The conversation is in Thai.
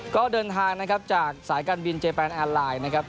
ก็เดินทางนะครับจากสายการบินเจแปนแอร์ไลน์นะครับ